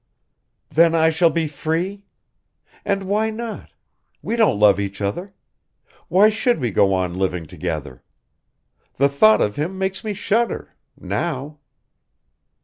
"Then I shall be free? And why not? We don't love each other. Why should we go on living together? The thought of him makes me shudder ... now."